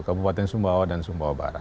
kabupaten sumbawa dan sumbawa barat